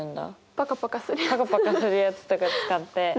パカパカするやつとか使って。